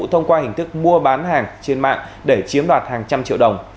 thông qua hình thức mua bán hàng trên mạng để chiếm đoạt hàng trăm triệu đồng